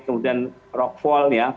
kemudian rockfall ya